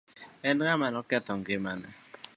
En ang'o ma ne oketho ngimane?